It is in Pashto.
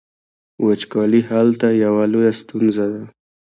وچکالي هلته یوه لویه ستونزه ده.